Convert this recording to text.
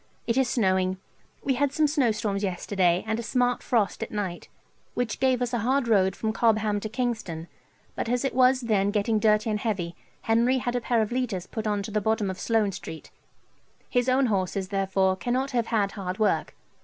It is snowing. We had some snowstorms yesterday, and a smart frost at night, which gave us a hard road from Cobham to Kingston; but as it was then getting dirty and heavy, Henry had a pair of leaders put on to the bottom of Sloane St. His own horses, therefore, cannot have had hard work.